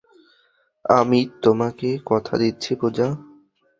আমি তোমাকে কথা দিচ্ছি, পূজা।